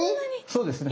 そうですね。